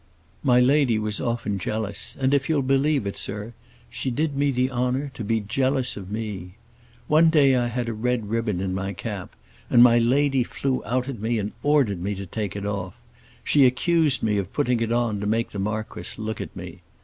My lady was often jealous, and, if you'll believe it, sir, she did me the honor to be jealous of me. One day I had a red ribbon in my cap, and my lady flew out at me and ordered me to take it off. She accused me of putting it on to make the marquis look at me.